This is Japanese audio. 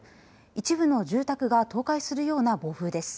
一部の住宅が倒壊するような暴風です。